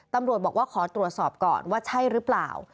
ตำรวจบอกว่าขอตรวจสอบก่อนว่าใช่หรือเปล่า